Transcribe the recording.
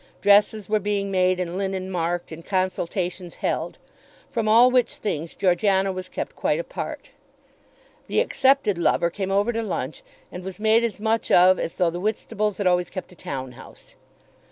Dresses were being made and linen marked, and consultations held, from all which things Georgiana was kept quite apart. The accepted lover came over to lunch, and was made as much of as though the Whitstables had always kept a town house.